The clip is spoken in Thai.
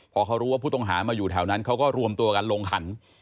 พอเขารู้ว่าผู้ต้องหามาอยู่แถวนั้นเขาก็รวมตัวกันลงขัน